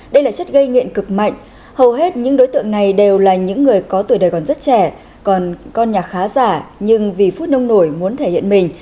đây là chất gây nghiện cực mạnh hầu hết những đối tượng này đều là những người có tuổi đời còn rất trẻ còn con nhà khá giả nhưng vì phút nông nổi muốn thể hiện mình